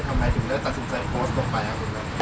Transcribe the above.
ทำไมถึงเลิกจากสุขใจโพสต์ลงไปครับ